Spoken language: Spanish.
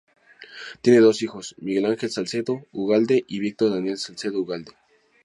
Tiene dos hijos, Miguel Ángel Salcedo Ugalde y Víctor Daniel Salcedo Ugalde.